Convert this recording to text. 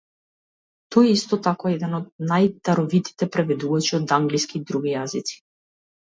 Тој е исто така еден од најдаровитите преведувачи од англиски и други јазици.